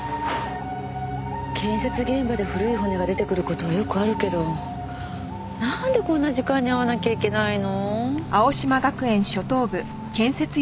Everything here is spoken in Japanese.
建設現場で古い骨が出てくる事はよくあるけどなんでこんな時間に会わなきゃいけないの？